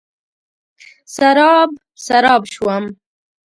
سراب، سراب شوم